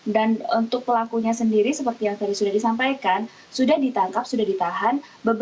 dan untuk pelakunya sendiri seperti yang tadi sudah disampaikan sudah ditangkap sudah ditahan